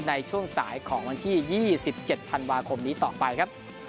ในช่วงสายของวันที่๒๗ธันวาคมนี้ต่อไปครับ